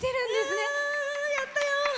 やったよー！